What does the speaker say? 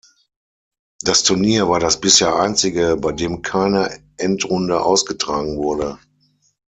Das Turnier war das bisher einzige, bei dem keine Endrunde ausgetragen wurde.